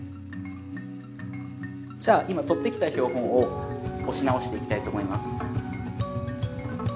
じゃあ今採ってきた標本を押し直していきたいと思います。